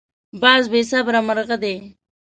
باز بې صبره مرغه دی